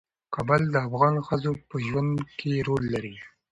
کابل د افغان ښځو په ژوند کې رول لري.